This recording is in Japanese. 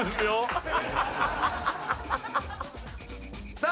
さあ